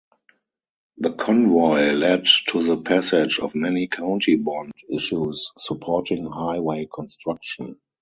The convoy led to the passage of many county bond issues supporting highway construction.